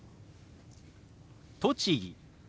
「栃木」。